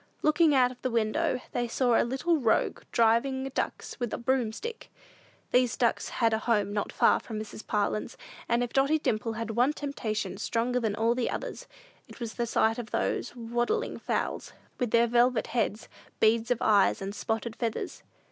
Looking out of the window, they saw the little rogue driving ducks with a broomstick. These ducks had a home not far from Mrs. Parlin's, and if Dotty Dimple had one temptation stronger than all others, it was the sight of those waddling fowls, with their velvet heads, beads of eyes, and spotted feathers.